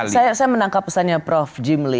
saya menangkap pesannya prof jim lee